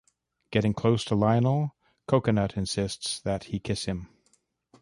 Getting close to Lionel, Cocoanut insists that he kiss him.